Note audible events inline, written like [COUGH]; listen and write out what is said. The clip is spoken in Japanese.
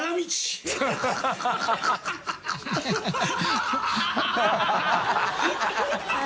ハハハ [LAUGHS]